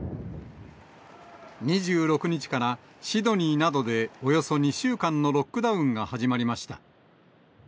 ２６日から、シドニーなどで、およそ２週間のロックダウンが始まりました。